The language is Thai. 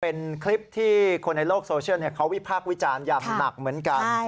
เป็นคลิปที่คนในโลกโซเชียลเขาวิพากษ์วิจารณ์อย่างหนักเหมือนกัน